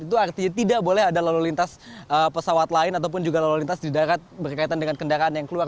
itu artinya tidak boleh ada lalu lintas pesawat lain ataupun juga lalu lintas di darat berkaitan dengan kendaraan yang keluar